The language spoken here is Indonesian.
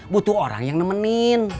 butuh orang yang nemenin